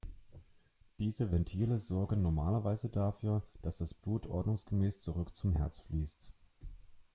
Diese Ventile sorgen normalerweise dafür, dass das Blut ordnungsgemäß zurück zum Herz fließt.